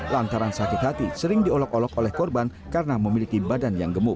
lantaran sakit hati sering diolok olok oleh korban karena memiliki badan yang gemuk